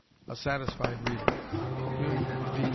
A satisfied reader Hume V.